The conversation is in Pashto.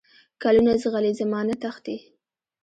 کلونه زغلي، زمانه تښتي